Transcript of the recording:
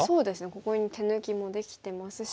ここに手抜きもできてますし。